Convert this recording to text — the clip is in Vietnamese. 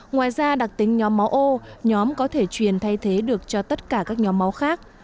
ngoài ra đặc tính nhóm máu ô nhóm có thể truyền thay thế được cho tất cả các nhóm máu khác